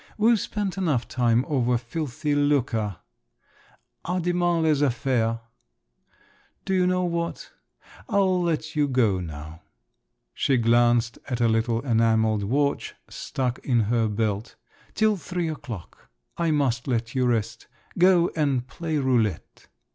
"We've spent enough time over filthy lucre … à demain les affaires. Do you know what, I'll let you go now … (she glanced at a little enamelled watch, stuck in her belt) … till three o'clock … I must let you rest. Go and play roulette."